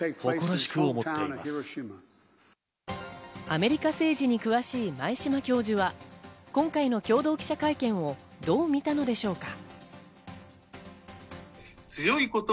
アメリカ政治に詳しい前嶋教授は、今回の共同記者会見をどう見たのでしょうか。